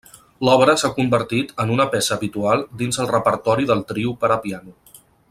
L'obra s'ha convertit en una peça habitual dins el repertori del trio per a piano.